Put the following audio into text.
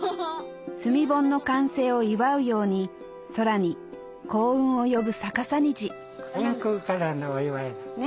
炭盆の完成を祝うように空に幸運を呼ぶ逆さ虹天空からのお祝いだ。ね